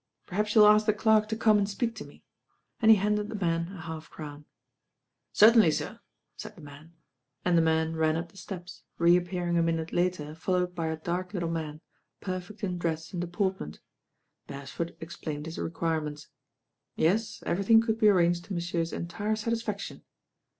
Perhaps you'll ask the clerk to come and speak to me," and he handed the man a half crown. "Certainly, sir," and the man ran up the steps, reappearing a minute later followed by a dark lit de man, perfect in dress and deportment. Beresford explained his requirements. Yes, everything could be arranged to monsieur's entire satisfaction.